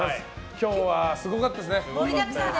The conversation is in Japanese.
今日はすごかったですね。